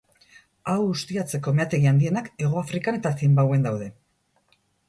Hau ustiatzeko meategi handienak Hegoafrikan eta Zimbabwen daude.